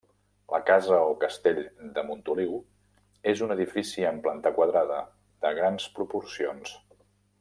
La casa o castell de Montoliu és un edifici amb planta quadrada, de grans proporcions.